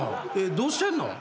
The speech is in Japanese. どうしてんの？